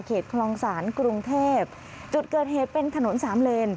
คลองศาลกรุงเทพจุดเกิดเหตุเป็นถนนสามเลน